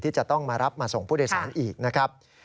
จะต้องมารับมาส่งผู้โดยสารอีกนะครับ